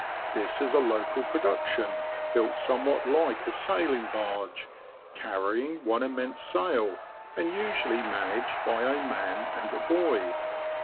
This is a local pro duction, built somewhat like a sailing barge, carry ing one immense sail, and usually managed by a man and a boy.